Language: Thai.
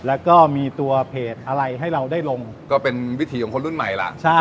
แล้วก็มีตัวเพจอะไรให้เราได้ลงก็เป็นวิถีของคนรุ่นใหม่ล่ะใช่